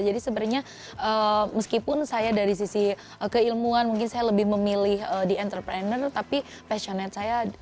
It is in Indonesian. jadi sebenarnya meskipun saya dari sisi keilmuan mungkin saya lebih memilih di entrepreneur tapi passionate saya